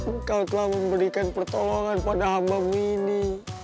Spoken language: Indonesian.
engkau telah memberikan pertolongan pada hambamu ini